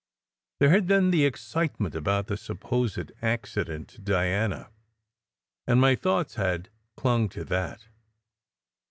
There had been the excitement about the supposed accident to Diana, and my thoughts had clung to that.